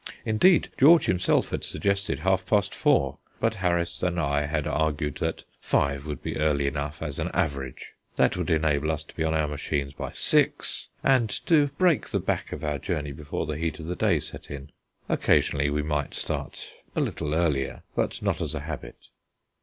Indeed, George himself had suggested half past four, but Harris and I had argued that five would be early enough as an average; that would enable us to be on our machines by six, and to break the back of our journey before the heat of the day set in. Occasionally we might start a little earlier, but not as a habit.